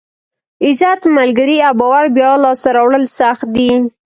عزت، ملګري او باور بیا لاسته راوړل سخت دي.